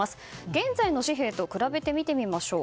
現在の紙幣と比べてみましょう。